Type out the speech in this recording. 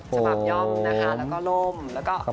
สวัสดีครับ